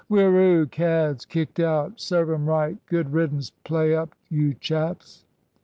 "Whiroo! Cads! Kicked out! Serve 'em right! Good riddance! Play up, you chaps!"